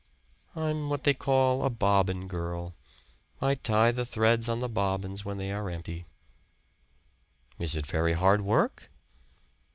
"I'm what they call a bobbin girl I tie the threads on the bobbins when they are empty." "Is it very hard work?"